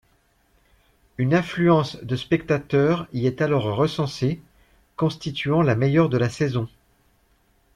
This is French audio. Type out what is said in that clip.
Une affluence de spectateurs y est alors recensée, constituant la meilleure de la saison.